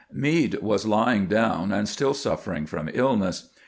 Meade was lying down, and still suffering from illness.